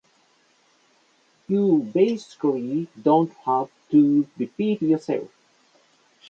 You basically don't have to repeat yourself.